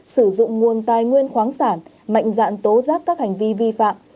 sử dụng nguồn tài nguyên khoáng sản mạnh dạn tố giác các hành vi vi phạm